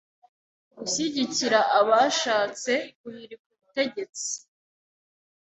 gushyigikira abashatse guhirika ubutegetsi,